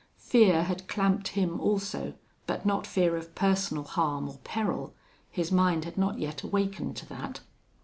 Fear had clamped him also, but not fear of personal harm or peril. His mind had not yet awakened to that.